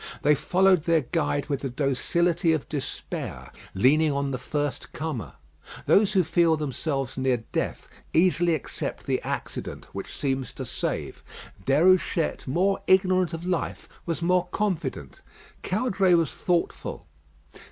They followed their guide with the docility of despair, leaning on the first comer. Those who feel themselves near death easily accept the accident which seems to save. Déruchette, more ignorant of life, was more confident. Caudray was thoughtful.